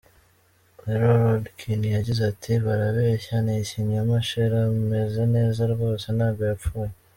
Loree Rodkin yagize ati :« Barabeshya, ni ikinyoma Cher ameze neza rwose ntago yapfuye.